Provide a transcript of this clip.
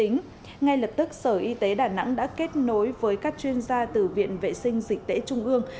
ngay lập tức sở y tế đà nẵng đã kết nối với các chuyên gia từ viện vệ sinh dịch tễ trung ương